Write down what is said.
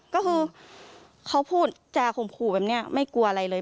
ก็คือเขาพูดจาข่มขู่แบบนี้ไม่กลัวอะไรเลย